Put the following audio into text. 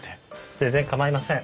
全然構いません。